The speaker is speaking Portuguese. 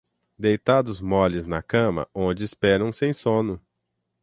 deitados moles na cama onde esperam sem sono;